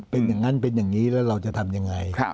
เป็นอย่างนั้นเป็นอย่างนี้แล้วเราจะทำยังไง